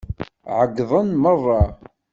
Ɛeyyḍen meṛṛa.